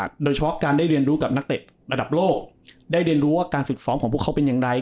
เพราะข้อเปลี่ยนเป็นการไปกับแตดประดับโลกได้เรียนรู้ว่าการศึกษอมของพวกเค้าเป็นอย่างไร